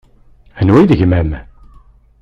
Anwa i d gma-m?